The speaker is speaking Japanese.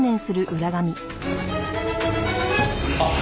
あっ！